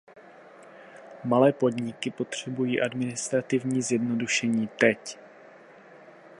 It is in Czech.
Malé podniky potřebují administrativní zjednodušení teď.